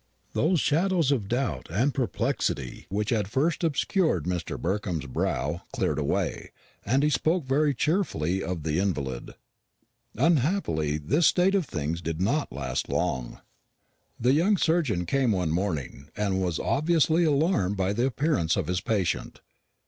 Those shadows of doubt and perplexity which had at first obscured Mr. Burkham's brow cleared away, and he spoke very cheerfully of the invalid. Unhappily this state of things did not last long. The young surgeon came one morning, and was obviously alarmed by the appearance of his patient.